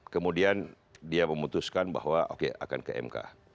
kemudian dia memutuskan bahwa oke akan ke mk